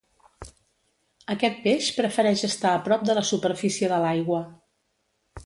Aquest peix prefereix estar a prop de la superfície de l'aigua.